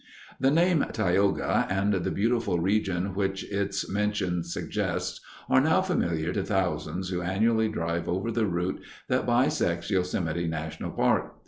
The name Tioga and the beautiful region which its mention suggests are now familiar to thousands who annually drive over the route that bisects Yosemite National Park.